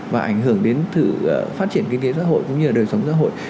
và ảnh hưởng đến sự phát triển kinh tế xã hội cũng như là đời sống xã hội